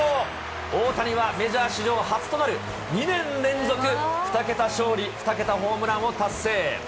大谷はメジャー史上初となる、２年連続２桁勝利２桁ホームランを達成。